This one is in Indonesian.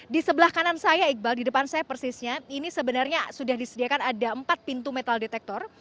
di sebelah kanan saya iqbal di depan saya persisnya ini sebenarnya sudah disediakan ada empat pintu metal detektor